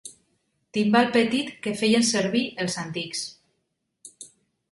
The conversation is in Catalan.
Timbal petit que feien servir els antics.